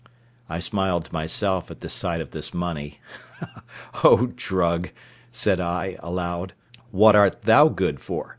I smiled to myself at the sight of this money: "O drug!" said I, aloud, "what art thou good for?